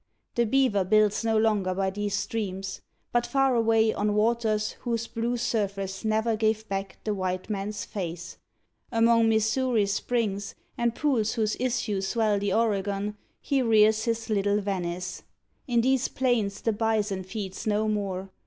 The beaver builds No longer by these streams, but far away, On waters whose blue surface ne'er gave back The white man's face among Missouri's springs, And pools whose issues swell the Oregan, He rears his little Venice. In these plains The bison feeds no more.